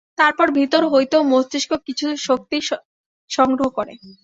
তারপর ভিতর হইতেও মস্তিষ্ক কিছু শক্তি সংগ্রহ করে।